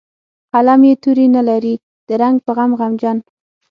قلم کې یې توري نه لري د رنګ په غم غمجن